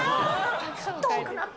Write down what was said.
遠くなった！